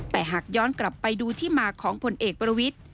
แต่หากย้อนกลับไปดูที่มาของผลเอกประวิทธิ